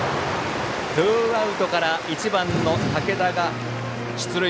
ツーアウトから１番の武田が出塁。